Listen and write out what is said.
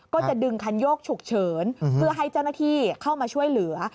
ก็จะดึงคันโยกฉุกเฉินเพื่อให้เจ้าหน้าที่เข้ามาช่วยเหลือ